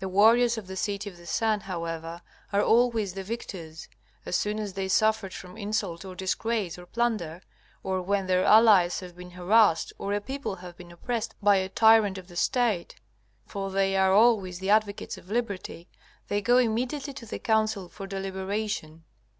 The warriors of the City of the Sun, however, are always the victors. As soon as they suffered from insult or disgrace or plunder, or when their allies have been harassed, or a people have been oppressed by a tyrant of the State (for they are always the advocates of liberty), they go immediately to the Council for deliberation.